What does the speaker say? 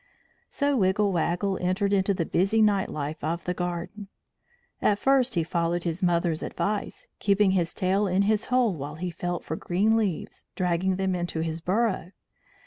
So Wiggle Waggle entered into the busy night life of the garden. At first he followed his mother's advice, keeping his tail in his hole while he felt for green leaves, dragging them into his burrow.